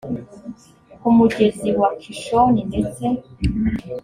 ku mugezi wa kishoni ndetse